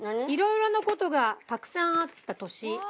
いろいろなことがたくさんあった年。